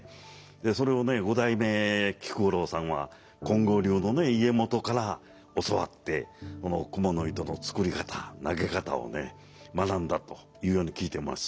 それをね五代目菊五郎さんは金剛流の家元から教わってこの蜘蛛の糸の作り方投げ方をね学んだというように聞いてます。